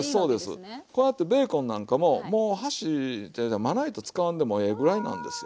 こうやってベーコンなんかももう箸ちゃうちゃうまな板使わんでもええぐらいなんですよ。